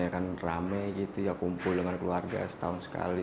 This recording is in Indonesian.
ya kan rame gitu ya kumpul dengan keluarga setahun sekali